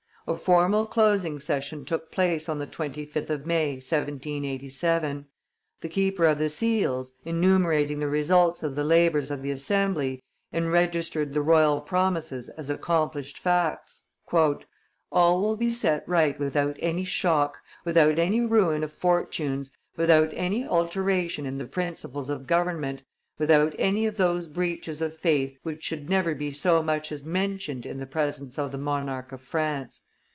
A formal closing session took place on the 25th of May, 1787. The keeper of the seals, enumerating the results of the labors of the Assembly, enregistered the royal promises as accomplished facts: "All will be set right without any shock, without any ruin of fortunes, without any alteration in the principles of government, without any of those breaches of faith which should never be so much as mentioned in the presence of the monarch of France.